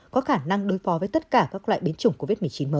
có khả năng đối phó với tất cả các loại biến chủng covid một mươi chín mới